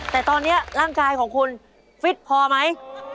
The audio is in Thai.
แต่ตอนนี้ร่างกายของคุณฟิตพอไหม